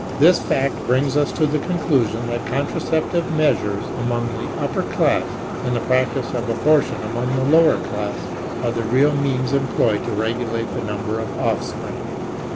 This fact brings us to the conclusion that contraceptive measures among the upper classes and the practice of abortion among the lower class, are the real means employed to regulate the number of offspring."